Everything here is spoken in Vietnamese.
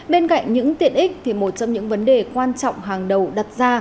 bên cạnh những tiện ích thì một trong những vấn đề quan trọng hàng đầu đặt ra